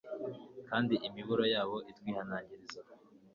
kandi imiburo yabo itwihanangiriza